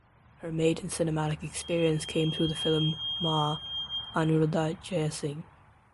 Her maiden cinematic experience came through the film "Maa" Anuruddha Jayasinghe.